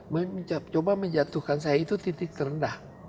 mencoba menjatuhkan saya itu titik terendah